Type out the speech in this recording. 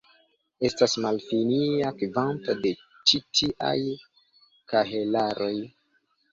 Estas malfinia kvanto de ĉi tiaj kahelaroj.